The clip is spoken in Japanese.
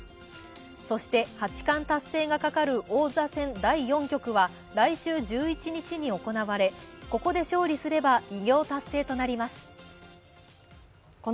そして八冠達成が架かる王座戦第４局は来週１１日に行われ、ここで勝利すれば偉業達成となります。